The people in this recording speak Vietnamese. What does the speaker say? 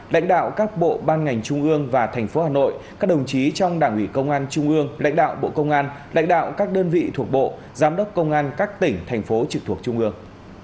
lãnh đạo các bộ ban ngành trung ương và thành phố hà nội các đồng chí trong đảng ủy công an trung ương lãnh đạo bộ công an lãnh đạo các đơn vị thuộc bộ giám đốc công an các tỉnh thành phố trực thuộc trung ương